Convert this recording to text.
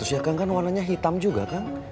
seratus ya kang kan warnanya hitam juga kang